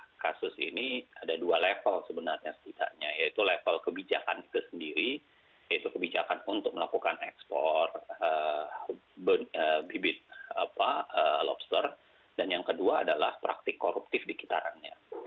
nah kasus ini ada dua level sebenarnya setidaknya yaitu level kebijakan itu sendiri yaitu kebijakan untuk melakukan ekspor bibit lobster dan yang kedua adalah praktik koruptif di kitarangnya